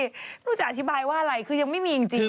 ไม่รู้จะอธิบายว่าอะไรคือยังไม่มีจริง